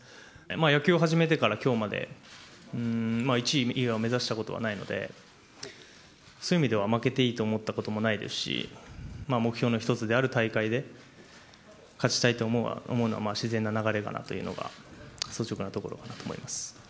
野球を始めてからきょうまで、１位以外は目指したことはないので、そういう意味では、負けていいと思ったこともないですし、目標の一つである大会で勝ちたいと思うのは自然な流れかなというのが、率直なところかなと思います。